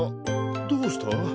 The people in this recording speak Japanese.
どうした？